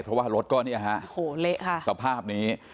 เพราะว่ารถก็เนี่ยฮะโอ้โหเละค่ะสภาพนี้